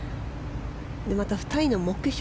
また、２人の目標